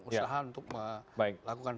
usaha untuk melakukan